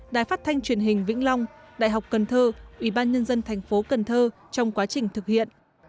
đài phát thanh truyền hình vĩnh long đại học cần thơ ủy ban nhân dân thành phố cần thơ trong quá trình thực hiện